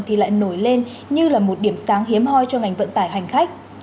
thì lại nổi lên như là một điểm sáng hiếm hoi cho ngành vận tải hành khách